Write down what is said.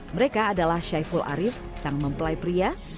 mereka adalah syaiful aris sang mempelai pria